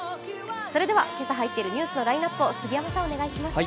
それでは、今朝入っているニュースのラインナップを杉山さん、お願いします。